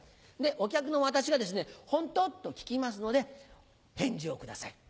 お客の私がですね「ホント？」と聞きますので返事をください。